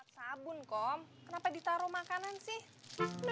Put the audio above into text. sabun com kenapa ditaruh makanan sih ini depan gimana sih kamu taruh